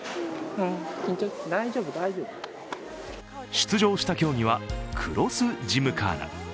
出場した競技はクロス・ジムカーナ。